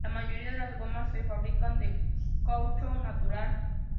La mayoría de las gomas se fabrican de caucho natural.